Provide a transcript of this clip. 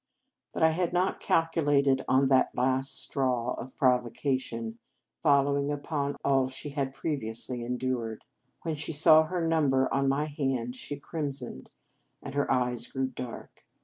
But I had not calculated on this last straw of provocation following upon all she had previously endured. When she saw her number on my hand, she crimsoned, and her eyes grew dark.